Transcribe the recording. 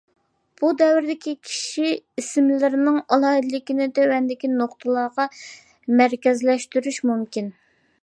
بۇ دەۋردىكى كىشى ئىسىملىرىنىڭ ئالاھىدىلىكىنى تۆۋەندىكى نۇقتىلارغا مەركەزلەشتۈرۈش مۇمكىن.